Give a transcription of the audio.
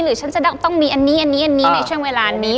หรือฉันจะต้องมีอันนี้ไม่ใช่เวลานี้